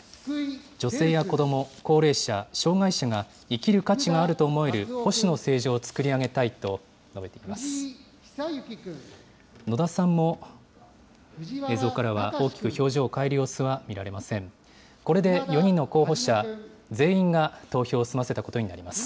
女性や子ども、高齢者、障害者が、生きる価値があると思える、保守の政治を作り上げたいと述べています。